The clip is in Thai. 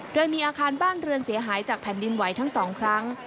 โดยมีอาคารบ้านเรือนเสียหายจากแผ่นดินไหวทั้ง๒ครั้ง